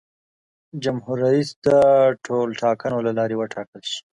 جمهور رئیس دې د ټولټاکنو له لارې وټاکل شي.